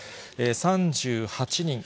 ３８人。